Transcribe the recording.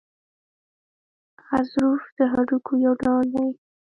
غضروف د هډوکو یو ډول دی.